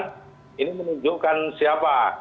dan ini menunjukkan siapa